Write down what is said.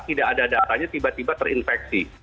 tidak ada datanya tiba tiba terinfeksi